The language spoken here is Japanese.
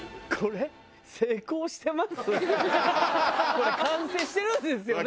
これ完成してるんですよね？